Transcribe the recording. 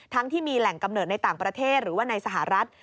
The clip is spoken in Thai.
ที่มีแหล่งกำเนิดในต่างประเทศหรือว่าในสหรัฐ